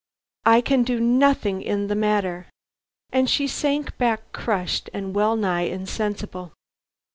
I can do nothing in the matter." And she sank back crushed and wellnigh insensible.